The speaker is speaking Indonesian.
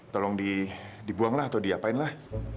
tolong dibuang lah atau diapain lah